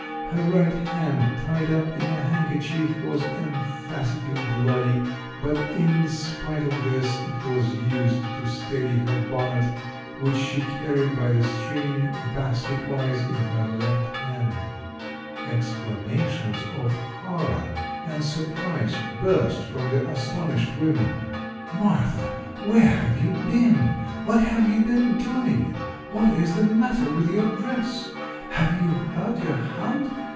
Her right hand, tied up in a handkerchief, was emphatically bloody, but in spite of this, it was used to steady her bonnet, which she carried by the string, basket wise, in her left hand. Exclamations of horror and surprise burst from the astonished women. "Martha, where have you been? What have you been doing? What is the matter with your dress? Have you hurt your hand?